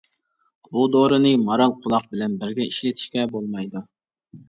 بۇ دورىنى مارالقۇلاق بىلەن بىرگە ئىشلىتىشكە بولمايدۇ.